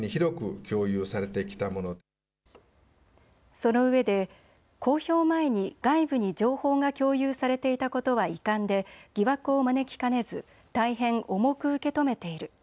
そのうえで公表前に外部に情報が共有されていたことは遺憾で疑惑を招きかねず大変重く受け止めている。